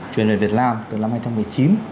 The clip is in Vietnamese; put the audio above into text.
truyền về việt nam từ năm hai nghìn một mươi chín